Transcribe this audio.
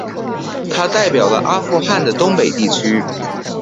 他代表了阿富汗的东北地区。